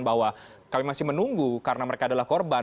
bahwa kami masih menunggu karena mereka adalah korban